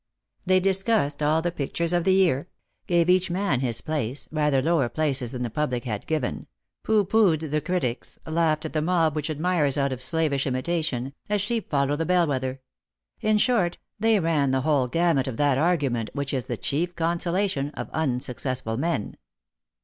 They discussed all the pictures of the year ; gave each man his place, rather lower places than the public had given ; pooh poohed the critics ; laughed at the mob which admires out of slavish imitation, as sheep follow the bell wether; in short, they ran the whole gamut of that argument which is the chief consolation of unsuccessful men.